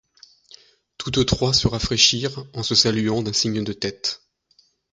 Toutes trois se rafraîchirent, en se saluant d'un signe de tête.